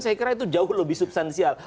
saya kira itu jauh lebih substansial